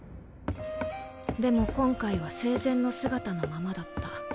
でも今回は生前の姿のままだった。